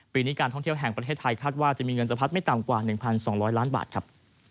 ปีนี้การท่องเที่ยวแห่งประเทศไทยคาดว่าจะมีเงินสะพัดไม่ต่ำกว่า๑๒๐๐ล้านบาทครับ